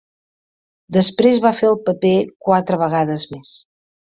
Després va fer el paper quatre vegades més.